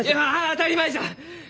当たり前じゃ！